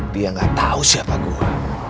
dia gak tau siapa gua